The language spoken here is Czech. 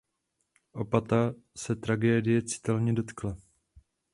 Opata se tragédie citelně dotkla.